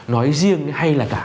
nói riêng hay là cả